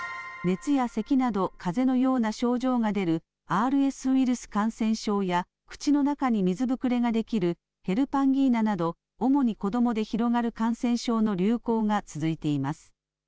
熱やせきなど、かぜのような症状が出るＲＳウイルス感染症や、口の中に水ぶくれが出来るヘルパンギーナなど、主に子どもで広がる感染症の流行が続いています。